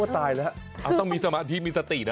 ต้องมีสมาธิมีสตินะ